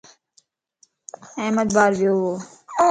احمد بار ويووَ